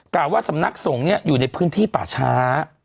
่าว่าสำนักสงฆ์อยู่ในพื้นที่ป่าช้า